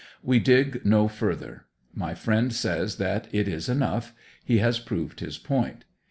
We dig no further. My friend says that it is enough he has proved his point.